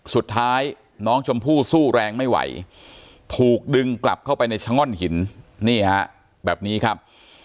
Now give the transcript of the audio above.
สุดท้ายน้องชมพู่สู้แรงไม่ไหวถูกดึงกลับเข้าไปในชะง่อนหินนี่ฮะแบบนี้ครับ